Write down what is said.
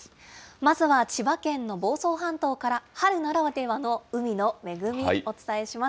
まずは千葉県の房総半島から、春ならではの海の恵み、お伝えします。